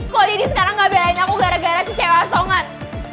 kok jadi sekarang gak belain aku gara gara si cewa songan